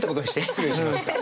失礼しました。